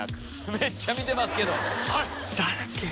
めっちゃ見てますけど。